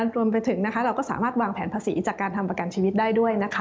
รวมไปถึงเราก็สามารถวางแผนภาษีจากการทำประกันชีวิตได้ด้วยนะคะ